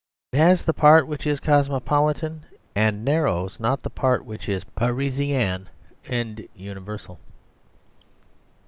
It has the part which is cosmopolitan and narrow; not the part which is Parisian and universal.